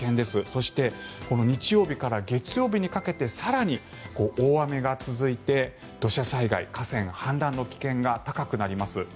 そしてこの日曜日から月曜日にかけて更に大雨が続いて土砂災害、河川氾濫の危険が高くなります。